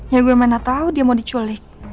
ya gue mana tahu dia mau diculik